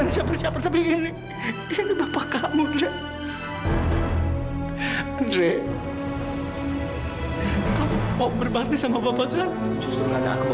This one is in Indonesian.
sampai jumpa di video selanjutnya